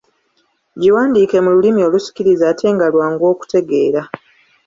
Giwandiike mu lulimi olusikiriza ate nga lwangu okutegeera.